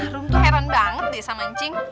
rum tuh heran banget deh sama ncing